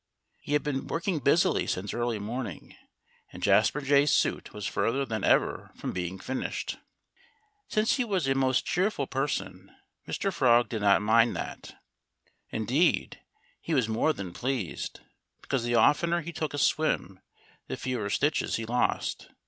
He had been working busily since early morning; and Jasper Jay's suit was further than ever from being finished. Since he was a most cheerful person, Mr. Frog did not mind that. Indeed, he was more than pleased, because the oftener he took a swim the fewer stitches he lost.